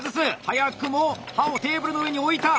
早くも刃をテーブルの上に置いた！